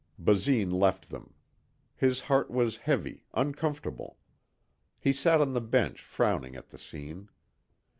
Basine left them. His heart was heavy, uncomfortable. He sat on the bench frowning at the scene.